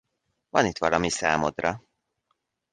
Van itt valami számodra!